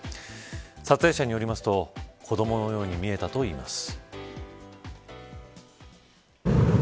撮影者によりますと子どものように見えたといいます。